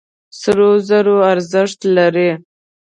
سرو زرو ارزښت لري.